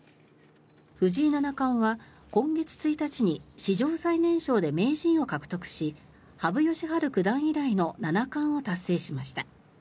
藤井七冠は今月１日に史上最年少で名人を獲得し羽生善治九段以来の七冠を達成しました。